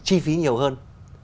chi phí nhiều hơn